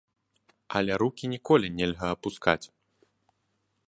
Але рукі ніколі нельга апускаць.